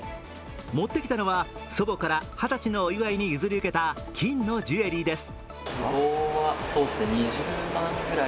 持ってきたのは祖母から二十歳のお祝いに譲り受けた金のジュエリーです。